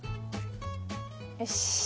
よし。